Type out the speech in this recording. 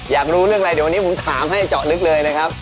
อยากรู้เรื่องอะไรเดี๋ยววันนี้ผมถามให้เจาะลึกเลยนะครับ